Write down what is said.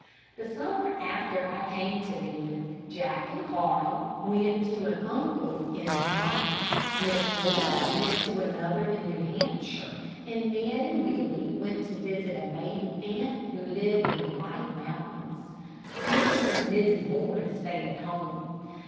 The summer after I came to them, Jack and Carl went to an uncle in Vermont, Miss Laura went to another in New Hampshire, and Ned and Willie went to visit a maiden aunt who lived in the White Mountains. Mr. and Mrs. Morris stayed at home.